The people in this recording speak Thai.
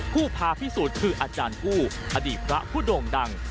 ผู้พาพิสูจน์คืออาจารย์อู้อดีตพระผู้โด่งดัง